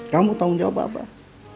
kamu tanggung jawab abah